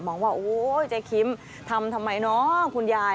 มองว่าเจ๊คิมทำทำไมคุณยาย